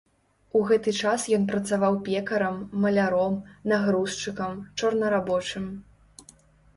У гэты час ён працаваў пекарам, маляром, нагрузчыкам, чорнарабочым.